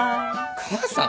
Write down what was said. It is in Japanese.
母さん！